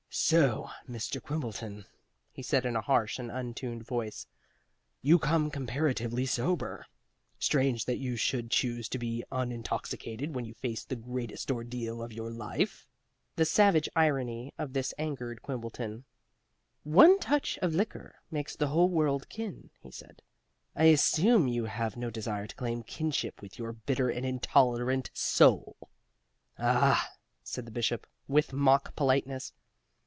"So, Mr. Quimbleton," he said, in a harsh and untuned voice, "You come comparatively sober. Strange that you should choose to be unintoxicated when you face the greatest ordeal of your life." The savage irony of this angered Quimbleton. "One touch of liquor makes the whole world kin," he said. "I assure you I have no desire to claim kinship with your bitter and intolerant soul." "Ah?" said the Bishop, with mock politeness.